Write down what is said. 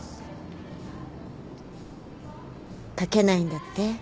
書けないんだって？